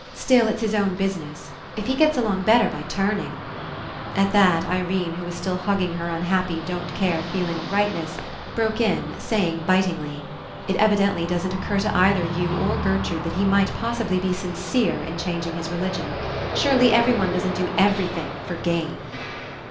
Still, it's his own business. If he gets along better by turning —" At that, Irene, who was still hugging her unhappy don't care feeling of rightness, broke In, saying bitingly: "It evidently doesn't occur to either you or Gertrude that he might possibly be sincere In changing his religion. Surely everyone doesn't do everything for gain."